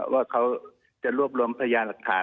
ว่าเขาจะรวบรวมพยาหลักฐาน